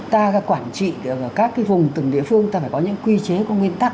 ta quản trị các vùng từng địa phương ta phải có những quy chế nguyên tắc